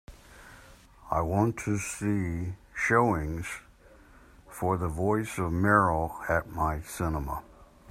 I want to see showings for The Voice of Merrill at my cinema.